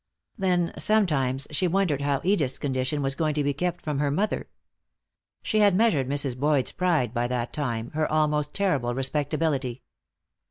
Then, sometimes, she wondered how Edith's condition was going to be kept from her mother. She had measured Mrs. Boyd's pride by that time, her almost terrible respectability.